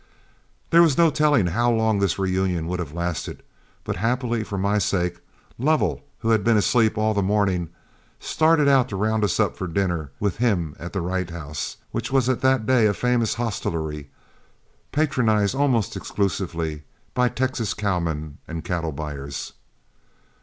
There was no telling how long this reunion would have lasted, but happily for my sake, Lovell who had been asleep all the morning started out to round us up for dinner with him at the Wright House, which was at that day a famous hostelry, patronized almost exclusively by the Texas cowmen and cattle buyers.